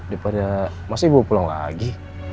daripada masa ibu pulang lagi